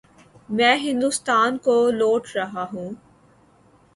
میں ہندوستان کو لوٹ رہا ہوں۔